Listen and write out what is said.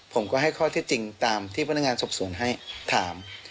ผมก็ให้ข้อที่จริงตามที่พนักงานสอบสวนให้ถาม